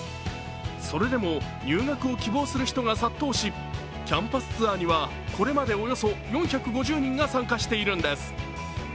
それでも入学を希望する人が殺到し、キャンパスツアーにはこれまでおよそ４５０人が参加しているんです。